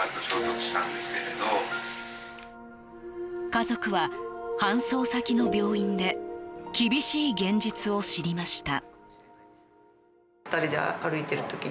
家族は、搬送先の病院で厳しい現実を知りました。